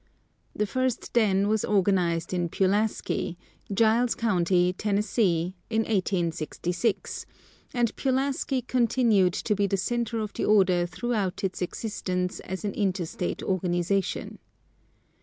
The first den was organized in Pulaski, Giles county, Tennessee, in 1866, and Pulaski continued to be the centre of the order throughout its existence as an interstate organization.